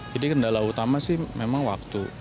jadi kendala utama sih memang waktu